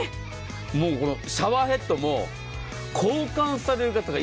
もうシャワーヘッドも交換される方が